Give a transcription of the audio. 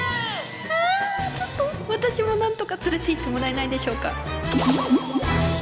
あちょっと私もなんとか連れていってもらえないでしょうか。